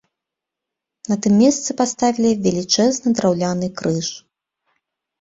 На тым месцы паставілі велічэзны драўляны крыж.